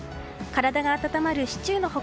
体が温まるシチューの他